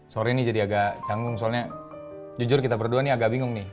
sore ini jadi agak canggung soalnya jujur kita berdua nih agak bingung nih